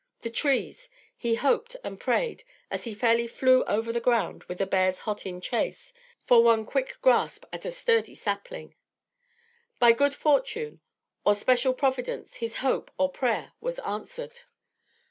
The trees! he hoped and prayed, as he fairly flew over the ground with the bears hot in chase, for one quick grasp at a sturdy sapling. By good fortune, or special Providence, his hope, or prayer, was answered.